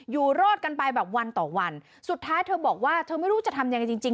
อยู่รอดกันไปแบบวันต่อวันสุดท้ายเธอบอกว่าเธอไม่รู้จะทำยังไงจริงจริง